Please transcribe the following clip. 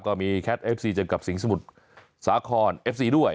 ก็มีแคทเอฟซีเจอกับสิงหมุทรสาครเอฟซีด้วย